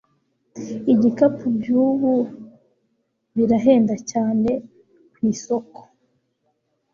Ibikapu byubu birahenda cyane kwisoko